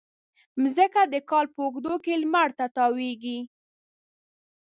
مځکه د کال په اوږدو کې لمر ته تاوېږي.